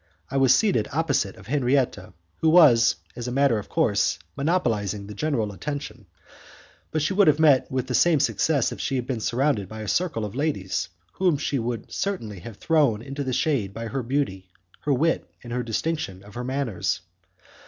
I was seated opposite Henriette who was, as a matter of course, monopolizing the general attention, but she would have met with the same success if she had been surrounded by a circle of ladies whom she would certainly have thrown into the shade by her beauty, her wit, and the distinction of her manners.